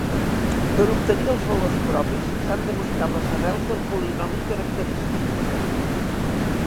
Per obtenir els valors propis, s'han de buscar les arrels del polinomi característic.